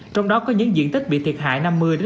trong đó có những diện tích bị thiệt hại năm mươi bảy mươi